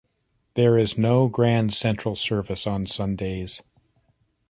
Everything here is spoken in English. There is no Grand Central service on Sundays.